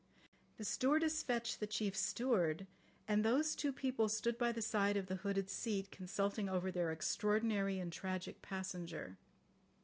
The stewardess fetched the chief steward, and those two people stood by the side of the hooded seat consulting over their extraordinary and tragic passenger.